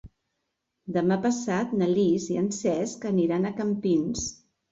Demà passat na Lis i en Cesc aniran a Campins.